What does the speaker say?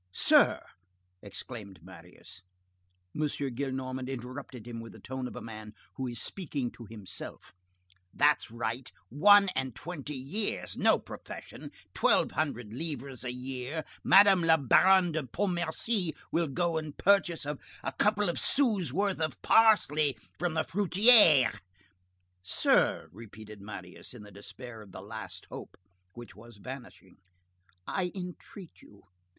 "Sir!" exclaimed Marius. M. Gillenormand interrupted him with the tone of a man who is speaking to himself:— "That's right, one and twenty years of age, no profession, twelve hundred livres a year, Madame la Baronne de Pontmercy will go and purchase a couple of sous' worth of parsley from the fruiterer." "Sir," repeated Marius, in the despair at the last hope, which was vanishing, "I entreat you!